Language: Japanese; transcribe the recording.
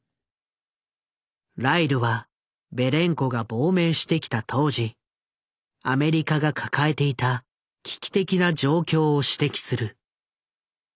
ライルはベレンコが亡命してきた当時アメリカが抱えていた危機的な状況を指摘する。